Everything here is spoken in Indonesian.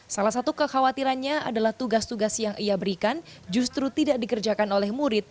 salah satu kekhawatirannya adalah tugas tugas yang ia berikan justru tidak dikerjakan oleh murid